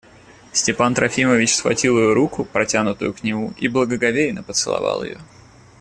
Степан Трофимович схватил ее руку, протянутую к нему, и благоговейно поцеловал ее.